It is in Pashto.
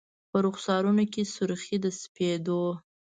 په رخسارونو کي سر خې د سپید و